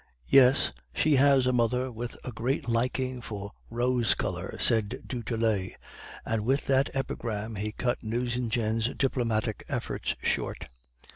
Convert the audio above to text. "'Yes, she has a mother with a great liking for rose color.' said du Tillet; and with that epigram he cut Nucingen's diplomatic efforts short.